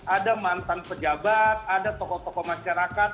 ada mantan pejabat ada tokoh tokoh masyarakat